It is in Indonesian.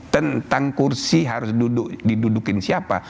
tentang kursi harus duduk didudukin siapa